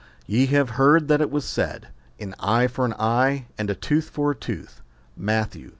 YE have heard that it was said, An eye for an eye, and a tooth for a tooth. Matt.